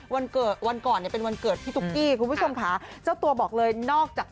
วันเกิดวันก่อนเนี่ยเป็นวันเกิดพี่ตุ๊กกี้คุณผู้ชมค่ะเจ้าตัวบอกเลยนอกจาก